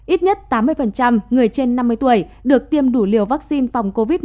ít nhất tám mươi người trên năm mươi tuổi được tiêm đủ liều vaccine phòng covid một mươi chín